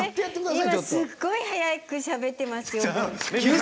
今すっごい早くしゃべってますよ。